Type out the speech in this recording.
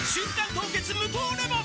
凍結無糖レモン」